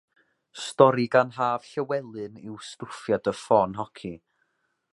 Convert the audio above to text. Stori gan Haf Llewelyn yw Stwffia dy ffon hoci.